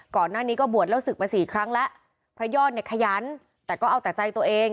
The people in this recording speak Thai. ก่อนหน้านี้ก็บวชแล้วศึกมาสี่ครั้งแล้วพระยอดเนี่ยขยันแต่ก็เอาแต่ใจตัวเอง